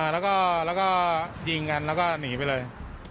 แล้วก็ยิงกันแล้วก็หนีไปเลย